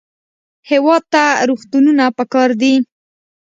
هېواد ته روغتونونه پکار دي